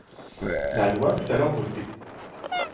La loi fut alors votée.